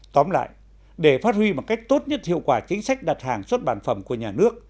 tóm lại để phát huy một cách tốt nhất hiệu quả chính sách đặt hàng xuất bản phẩm của nhà nước